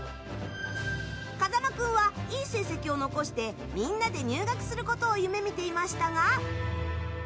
風間君は、いい成績を残してみんなで入学することを夢見ていましたが。